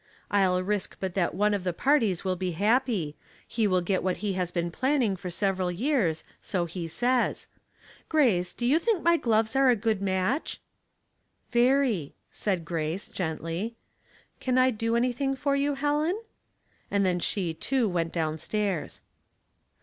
I'll risk but that one of the parties will be happy ; he will get what he has been planning for several years — so he says. Grace, do you think my gloves are a good match y "." Very," said Grace, gently. " Can I do any thing for you, Helen ?" And then she, too, went down stairs.